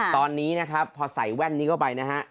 ตอนนี้นะครับพอใส่แว่นนี้เข้าไปนะฮะ